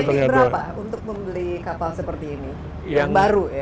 ini berapa untuk membeli kapal seperti ini yang baru ya